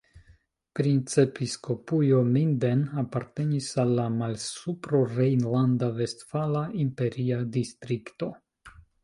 Princepiskopujo Minden apartenis al la Malsuprorejnlanda-Vestfala Imperia Distrikto.